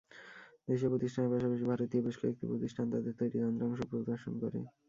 দেশীয় প্রতিষ্ঠানের পাশাপাশি ভারতীয় বেশ কয়েকটি প্রতিষ্ঠান তাদের তৈরি যন্ত্রাংশ প্রদর্শন করে।